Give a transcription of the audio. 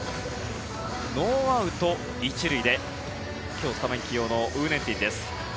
ノーアウト１塁で今日、スタメン起用の呉念庭です。